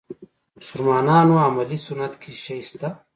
مسلمانانو عملي سنت کې شی شته.